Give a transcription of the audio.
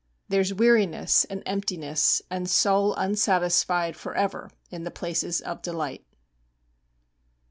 There's weariness and emptiness And soul unsatisfied Forever in the places of delight.